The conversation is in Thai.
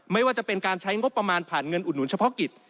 ไม่ว่าจะเป็นการใช้งบประมาณผ่านเงินอุดหนุนเฉพาะกิจ